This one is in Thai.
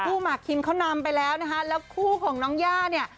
หมากคิมเขานำไปแล้วนะคะแล้วคู่ของน้องย่าเนี่ย